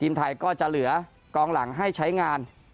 ไทยก็จะเหลือกองหลังให้ใช้งาน